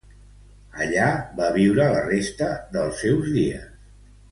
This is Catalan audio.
Allà va viure la resta dels seus dies.